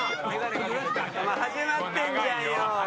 始まってるじゃんよ。